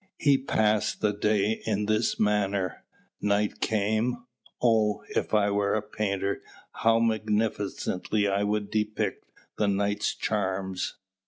He passed the day in this manner. Night came Oh, if I were a painter, how magnificently I would depict the night's charms!